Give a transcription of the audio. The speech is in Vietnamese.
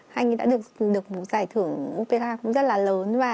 hay như đã được giải thưởng upa cũng rất là lớn